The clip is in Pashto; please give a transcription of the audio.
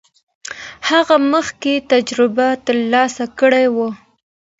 هغه مخکې تجربه ترلاسه کړې وه.